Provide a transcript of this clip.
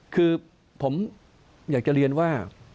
คือผมอยากจะเรียนว่า